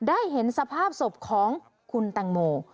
ได้เห็นสภาพศพของคุณแตงโม